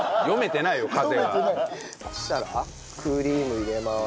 そしたらクリーム入れます。